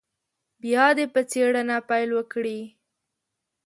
بیا دې په څېړنه پیل وکړي.